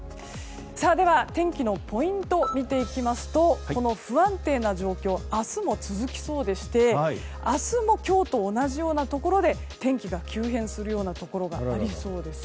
では、天気のポイントを見ていきますとこの不安定な状況明日も続きそうでして明日も今日と同じようなところで天気が急変するようなところがありそうです。